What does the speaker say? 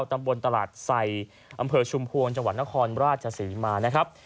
ตำบลตลาดใส่อำเภอชุมพวงจังหวัดนครราชศรีมานะครับ